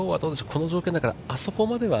この状況だからあそこまでは。